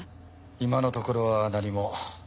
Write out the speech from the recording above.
今のところは何も。